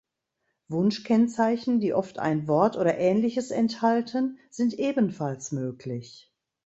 Wunschkennzeichen, die oft ein Wort oder Ähnliches enthalten, sind ebenfalls möglich.